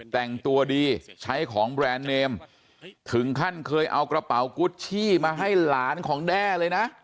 แต่งตัวดีใช้ของแบรนด์เนมถึงขั้นเคยเอากระเป๋ากุชชี่มาให้หลานของแด้เลยนะ